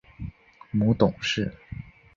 母董氏。